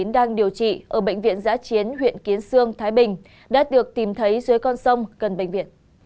đang điều trị ở bệnh viện giã chiến huyện kiến sương thái bình đã được tìm thấy dưới con sông gần bệnh viện